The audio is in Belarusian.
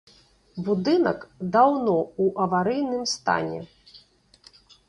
Будынак даўно ў аварыйным стане.